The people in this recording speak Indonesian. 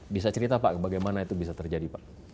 bisa cerita pak bagaimana itu bisa terjadi pak